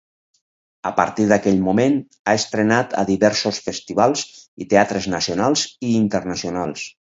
A partir d'aquell moment ha estrenat a diversos festivals i teatres nacionals i internacionals.